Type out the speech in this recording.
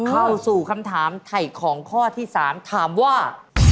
เข้าสู่คำถามไถ่ของข้อที่๓ถามว่า